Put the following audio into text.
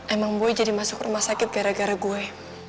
emang gue jadi masuk rumah sakit gara gara gue